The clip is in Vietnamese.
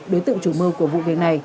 đối tượng chủ mơ của vụ viện này